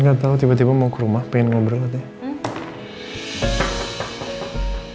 gatau tiba tiba mau ke rumah pengen ngobrol katanya